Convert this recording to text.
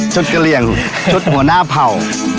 กระเหลี่ยงชุดหัวหน้าเผ่า